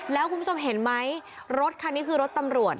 แล้วคุณผู้ชมเห็นไหมรถคันนี้คือรถตำรวจ